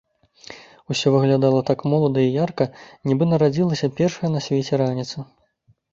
Усё выглядала так молада і ярка, нібы нарадзілася першая на свеце раніца.